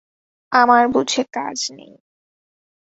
আমার বুঝে কাজ নেই।